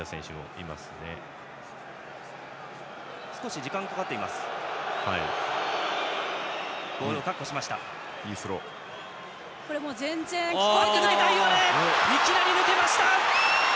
いきなり抜けた！